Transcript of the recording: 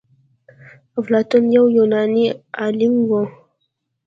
افلاطون يو يوناني عالم و.